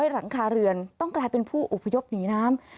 หลังคาเรือนต้องกลายเป็นผู้อพยพหนีน้ำ